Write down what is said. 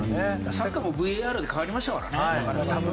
サッカーもＶＡＲで変わりましたからね。